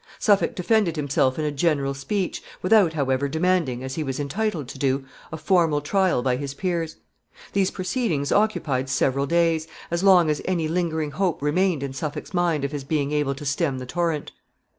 Suffolk defended himself in a general speech, without, however, demanding, as he was entitled to do, a formal trial by his peers. These proceedings occupied several days as long as any lingering hope remained in Suffolk's mind of his being able to stem the torrent.